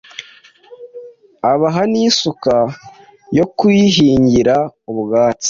abaha n’isuka yo kuyihingira ubwatsi;